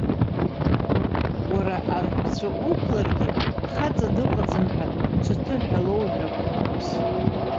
Уара арҳәцәа уқәларгьы, хаҵа дыҟаӡам ҳәа ҿыҭы ҳәа лоуҳәап уԥҳәыс.